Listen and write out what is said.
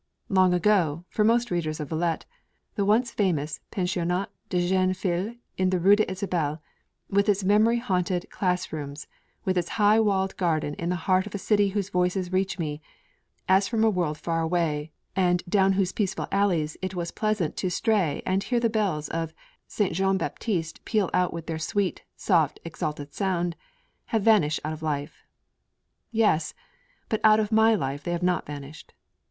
Long ago, for most readers of Villette, the once famous Pensionnat de Jeunes Filles in the Rue d'Isabelle, with its memory haunted class rooms, with its high walled garden in the heart of a city whose voices reached one, as from a world far away, and 'down whose peaceful alleys it was pleasant to stray and hear the bells of St Jean Baptiste peal out with their sweet, soft, exalted sound,' have vanished out of life. _Yes but out of my life they have not vanished!